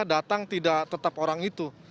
datang tidak tetap orang itu